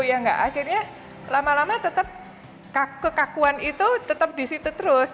akhirnya lama lama tetap kekakuan itu tetap disitu terus